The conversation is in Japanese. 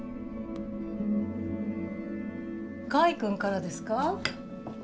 甲斐くんからですか？